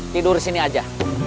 tidur di sini aja